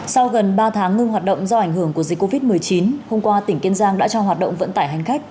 sau gần ba tháng ngưng hoạt động do ảnh hưởng của dịch covid một mươi chín hôm qua tỉnh kiên giang đã cho hoạt động vận tải hành khách